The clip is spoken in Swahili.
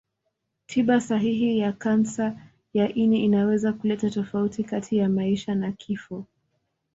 Tiba sahihi ya kansa ya ini inaweza kuleta tofauti kati ya maisha na kifo.